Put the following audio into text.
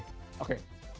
maaf disini oke